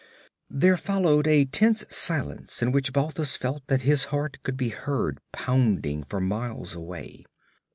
There followed a tense silence in which Balthus felt that his heart could be heard pounding for miles away.